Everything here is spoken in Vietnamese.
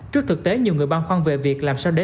trước thực tế nhiều người băng khoan về việc làm sao để